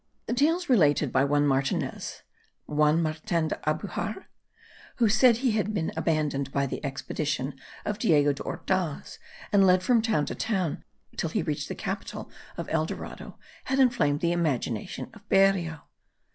The tales related by one Martinez* (Juan Martin de Albujar?), who said he had been abandoned in the expedition of Diego de Ordaz, and led from town to town till he reached the capital of El Dorado, had inflamed the imagination of Berrio.